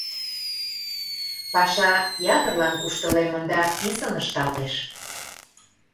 Паша ятырлан куштылемын да писын ышталтеш.